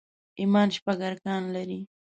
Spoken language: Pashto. ايمان شپږ ارکان لري